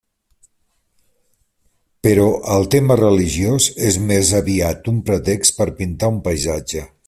Però el tema religiós és més aviat un pretext per pintar un paisatge.